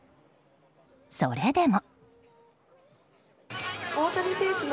それでも。